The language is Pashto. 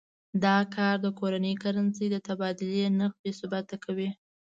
دا کار د کورنۍ کرنسۍ د تبادلې نرخ بې ثباته کوي.